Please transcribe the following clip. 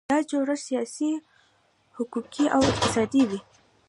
دا جوړښت سیاسي، حقوقي او اقتصادي وي.